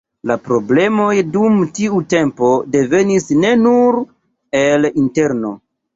La problemoj dum tiu tempo devenis ne nur el interno.